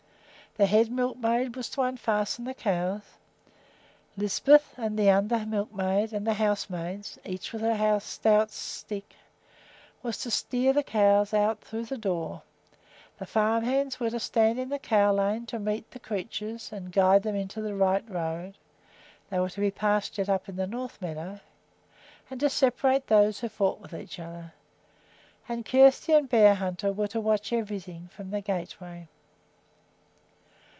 The head milkmaid was to unfasten the cows; Lisbeth and the under milkmaid and the housemaids, each with her stout stick, were to steer the cows out through the door; the farm hands were to stand in the cow lane to meet the creatures and guide them into the right road (they were to be pastured up in the north meadow) and to separate those who fought with each other; and Kjersti and Bearhunter were to watch everything from the gateway.